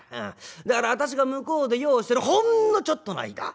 だから私が向こうで用をしてるほんのちょっとの間